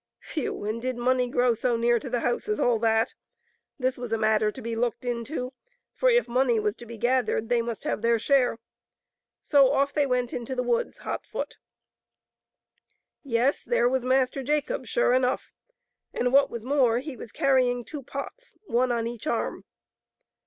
Phew ! and did money grow so near to the house as all that ? This was a matter to be looked into, for if money was to be gathered they must have their share. So ofif they went to the woods, hot foot. Yes ; there was Master Jacob, sure enough, and what was more, he was carrying two pots, one on each arm.